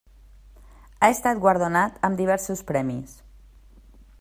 Ha estat guardonat amb diversos premis.